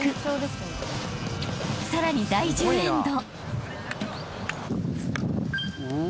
［さらに第１０エンド］